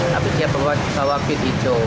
tapi dia bawa beat hijau